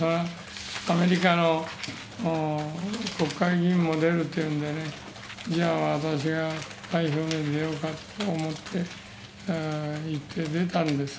アメリカの国会議員も出るっていうんでね、じゃあ、私が代表で出ようかと思って行って出たんです。